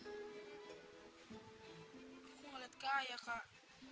aku ngeliat ke ayah kak